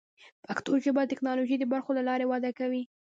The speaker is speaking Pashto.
پښتو ژبه د ټکنالوژۍ د برخو له لارې وده کوي.